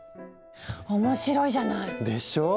面白いじゃない！でしょう？